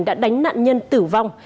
đã đánh nạn nhân tử vong